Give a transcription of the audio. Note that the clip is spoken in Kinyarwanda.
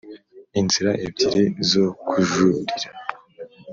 inzira ebyiri zo kujurira.